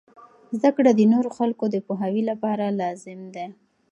زده کړه د نورو خلکو د پوهاوي لپاره لازم دی.